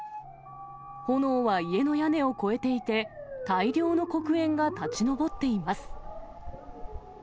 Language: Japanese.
炎は家の屋根を越えていて、大量の黒煙が立ち上っています。